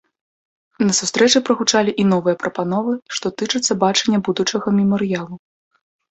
На сустрэчы прагучалі і новыя прапановы, што тычацца бачання будучага мемарыялу.